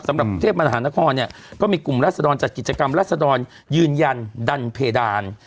สำหรับเทพมหานครก็มีกลุ่มราศดรรย์จัดกิจกรรมราศดรยืนยันดันเพดาน